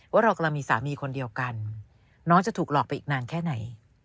ว่าเรากำลังมีสามีคนเดียวกันน้องจะถูกหลอกไปอีกนานแค่ไหน